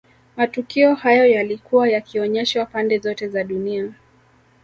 Matukio hayo yalikuwa yakionyeshwa pande zote za dunia